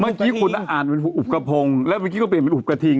เมื่อกี้คุณอ่านเป็นอุบกระพงแล้วเมื่อกี้ก็เปลี่ยนเป็นอุบกระทิง